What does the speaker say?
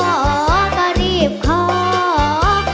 ขอก็รีบขอ